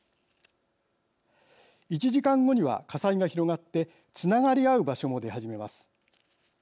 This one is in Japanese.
１時間後には火災が広がってつながり合う場所も出始めます。